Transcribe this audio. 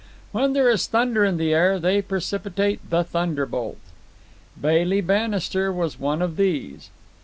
When there is thunder in the air they precipitate the thunderbolt. Bailey Bannister was one of these.